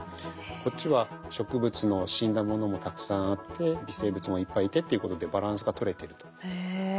こっちは植物の死んだものもたくさんあって微生物もいっぱいいてっていうことでへえ。